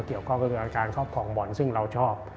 เกี่ยวข้องก็คืออาการครอบครองบ่อนซึ่งเราชอบ